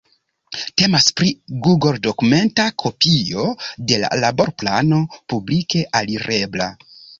Temas pri google-dokumenta kopio de la laborplano publike alirebla.